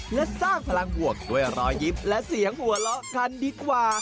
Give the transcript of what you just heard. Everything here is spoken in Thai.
และสร้างพลังบวกด้วยรอยยิ้มและเสียงหัวเราะกันดีกว่า